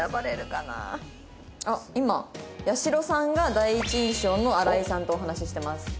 あっ今８４６さんが第一印象の荒井さんとお話ししてます。